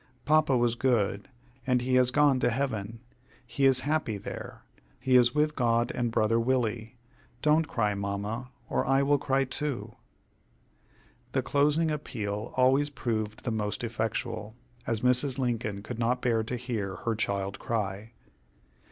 Papa was good, and he has gone to heaven. He is happy there. He is with God and brother Willie. Don't cry, Mamma, or I will cry too." The closing appeal always proved the most effectual, as Mrs. Lincoln could not bear to hear her child cry.